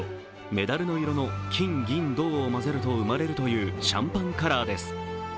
メダルの色の金・銀・銅を交ぜると生まれるというシャンパンカラーです。